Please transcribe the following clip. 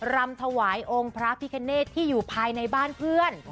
รำถวายองค์พระพิคเนตที่อยู่ภายในบ้านเพื่อน